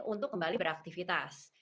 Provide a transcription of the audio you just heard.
untuk kembali beraktivitas